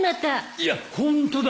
いやっホントだ！